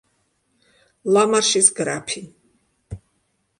ლა მარშის გრაფი.